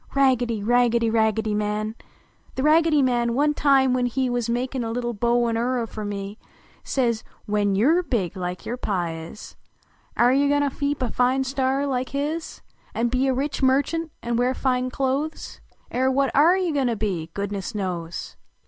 Raggedy! Raggedy! Raggedv Man! The Raggedy Man one time when he \Yuz makin a little bow n orry fer me, Says " When \<>ii rc big like vour Pa is. Air you go to keep a fine store like his An be a rich merchtmt an wear fine clothes? I .r what oh you go to be, goodness knows!"